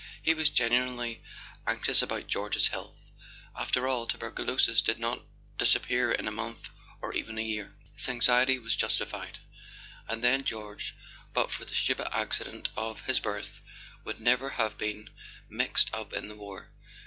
He was genuinely anxious about George's health. After all, tuberculosis did not disappear in a month or even a year: his anxiety was justified. And then George, but for the stupid accident of his birth, would never have been mixed up in the war.